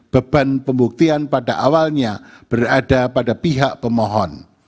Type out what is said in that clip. beban pembuktian pada awalnya berada pada pihak pemohon